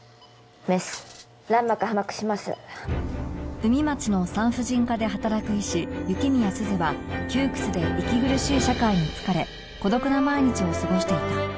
海街の産婦人科で働く医師雪宮鈴は窮屈で息苦しい社会に疲れ孤独な毎日を過ごしていた